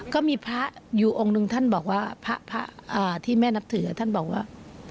ก็มีพระอยู่องค์หนึ่งท่านบอกว่าพระที่แม่นับถือท่านบอกว่า